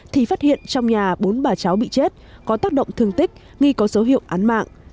thì phát hiện trong nhà bốn bà cháu bị chết có tác động thương tích nghi có dấu hiệu án mạng